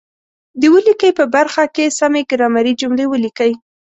د ولیکئ په برخه کې سمې ګرامري جملې ولیکئ.